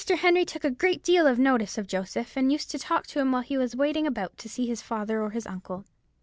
Henry took a great deal of notice of Joseph, and used to talk to him while he was waiting about to see his father or his uncle.